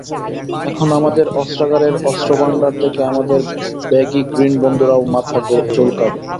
এখন আমাদের অস্ত্রাগারের অস্ত্রভান্ডার দেখে আমাদের ব্যাগি গ্রিন বন্ধুরাও মাথা চুলকাবে।